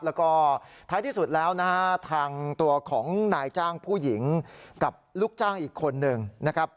แล้วก็ท้ายที่สุดแล้วนะฮะทางตัวของนายจ้างผู้หญิงกับลูกจ้างอีกคนหนึ่งนะครับ